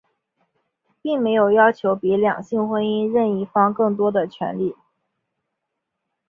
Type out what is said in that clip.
并没有要求比两性婚姻任一方更多的权利。